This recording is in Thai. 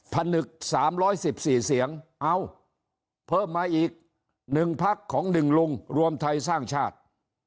ผนึก๓๑๔เสียงเอาเพิ่มมาอีก๑พักของ๑ลุงรวมไทยสร้างชาติ